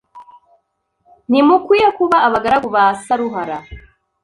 Ntimukwiye kuba abagaragu ba Saruhara